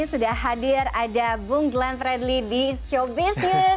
sudah hadir ada bung glenn fredly di showbiz news